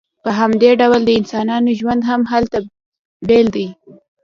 په همدې ډول د انسانانو ژوند هم هلته بیل دی